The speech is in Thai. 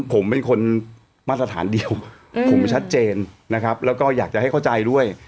ผมเป็นคนมาตรฐานเดียวผมชัดเจนนะครับแล้วก็อยากจะให้เข้าใจด้วย